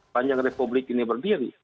panjang republik ini berdiri